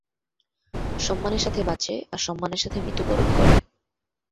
সম্মানের সাথে বাঁচে, আর সম্মানের সাথে মৃত্যুবরণ করে।